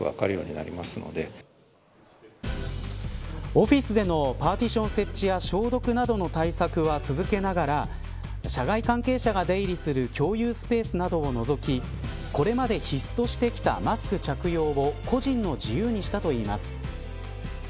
オフィスでのパーティション設置や消毒などの対策は続けながら社外関係者が出入りする共有スペースなどを除きこれまで必須としてきたマスク着用を個人の自由にしたといいます。